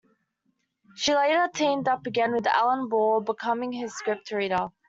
She later teamed up again with Alan Ball, becoming his script reader.